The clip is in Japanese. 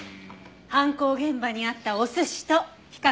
犯行現場にあったお寿司と比較